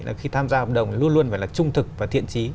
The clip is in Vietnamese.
là khi tham gia hợp đồng luôn luôn phải là trung thực và thiện trí